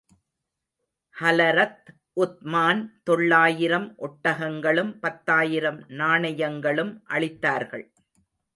ஹலரத் உத்மான் தொள்ளாயிரம் ஒட்டகங்களும், பத்தாயிரம் நாணயங்களும் அளித்தார்கள்.